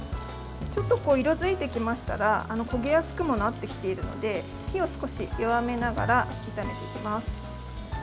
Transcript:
ちょっと色づいてきましたら焦げやすくもなってきているので火を少し弱めながら炒めていきます。